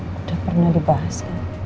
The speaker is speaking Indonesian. sudah pernah dibahas